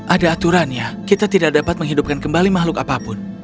ada aturannya kita tidak dapat menghidupkan kembali makhluk apapun